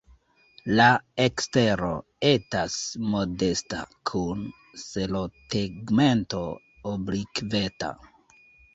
La ekstero etas modesta kun selotegmento oblikveta.